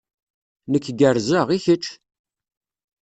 Nekk gerrzeɣ, i kečč?